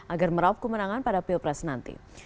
agar meraup kemenangan pada pilpres nanti